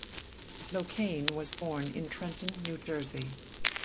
Locane was born in Trenton, New Jersey.